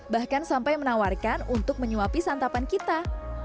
bahkan sampai menawarkan untuk menyuapi santapan kita